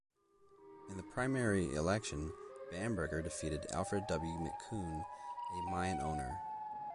In the primary election, Bamberger defeated Alfred W. McCune, a mine owner.